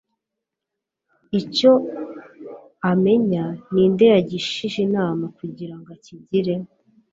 icyo amenya ni nde yagishije inama kugira ngo akigire